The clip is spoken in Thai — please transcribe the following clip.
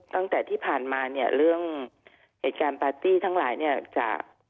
ตั้งแต่ที่ผ่านมาเนี่ยเรื่องเหตุการณ์ปาร์ตี้ทั้งหลายเนี่ยจาก